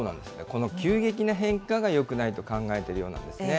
この急激な変化がよくないと考えているようなんですね。